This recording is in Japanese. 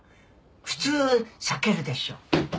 普通避けるでしょ。